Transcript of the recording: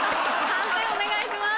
判定お願いします。